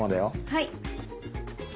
はい。